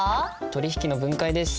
取引の分解です。